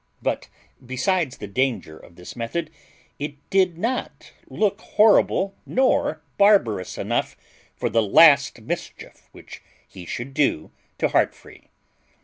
But, besides the danger of this method, it did not look horrible nor barbarous enough for the last mischief which he should do to Heartfree.